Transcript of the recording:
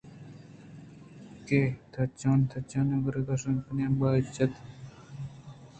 کہ تچان تچان ءَ گُرک ءَ شِنِکّ ءِ نیمگا چک جَت ءُ گوٛشت حق ءُ حِلار ءَ منی دواہمیش اِنت